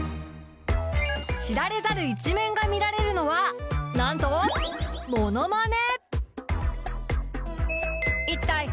知られざる一面が見られるのはなんとモノマネ！